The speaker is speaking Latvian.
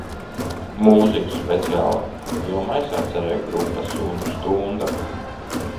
"Mūziku speciāli filmai sacerēja grupa "Suņa Stunda"."